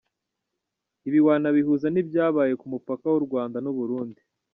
Ibi wanabihuza n’ibyabaye ku mupaka w’u Rwanda n’u Burundi.